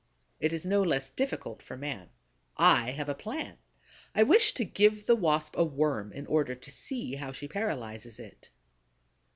It is no less difficult for man. I have a plan. I wish to give the Wasp a Worm in order to see how she paralyzes it.